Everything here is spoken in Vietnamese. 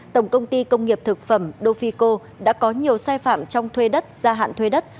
tổng công ty công nghiệp thực phẩm dofico đã có nhiều sai phạm trong thuê đất gia hạn thuê đất